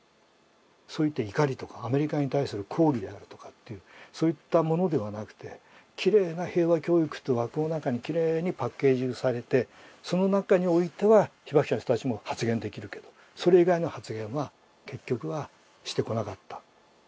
そういった怒りとかアメリカに対する抗議であるとかっていうそういったものではなくてきれいな平和教育という枠の中にきれいにパッケージされてその中においては被爆者の人たちも発言できるけどそれ以外の発言は結局はしてこなかった。